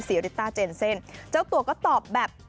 ริต้าเจนเซ่นเจ้าตัวก็ตอบแบบ